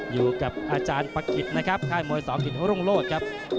อยู่กับอาจารย์ปะกิจนะครับค่ายมวยสอกิจรุ่งโลศครับ